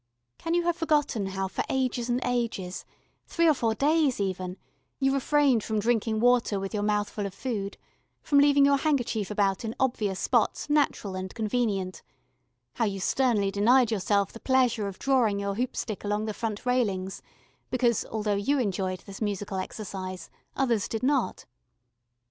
Can you have forgotten how for ages and ages three or four days, even you refrained from drinking water with your mouth full of food, from leaving your handkerchief about in obvious spots natural and convenient, how you sternly denied yourself the pleasure of drawing your hoop stick along the front railings because, though you enjoyed this musical exercise, others did not?